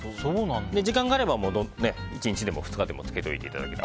時間があれば１日でも２日でも漬けていただければ。